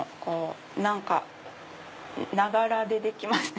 何かながらでできますね。